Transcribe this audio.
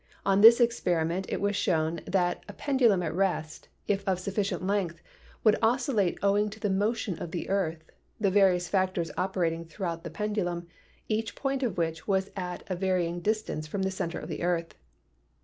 On this experi ment it was shown that a pendulum at rest, if of sufficient length, would oscillate owing to the motion of the earth, the various factors operating throughout the pendulum, each point of which was at a varying distance from the center of the earth.